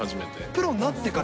プロになってから？